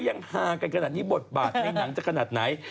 ฮากันขนาดนี้บทบาทในหนังจะขนาดไหน